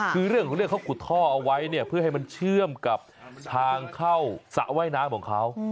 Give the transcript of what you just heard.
คือเรื่องของเรื่องเขาขุดท่อเอาไว้เนี่ยเพื่อให้มันเชื่อมกับทางเข้าสระว่ายน้ำของเขา